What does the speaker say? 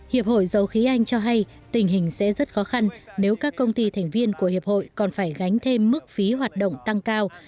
hiệp hội dầu khí anh cho hay tình hình sẽ rất khó khăn nếu các công ty thành viên của hiệp hội còn phải gánh thêm mức phí hoạt động tăng cao